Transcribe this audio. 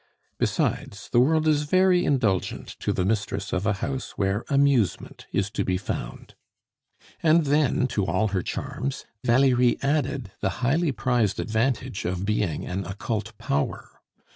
Besides, the world is very indulgent to the mistress of a house where amusement is to be found. And then to all her charms Valerie added the highly prized advantage of being an occult power.